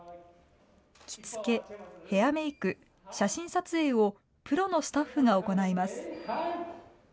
着付け、ヘアメーク、写真撮影をプロのスタッフが行います。